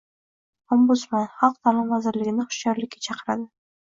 Ombudsman Xalq ta’limi vazirligini hushyorlikka chaqiradi